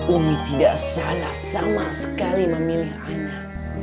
umi tidak salah sama sekali memilih anak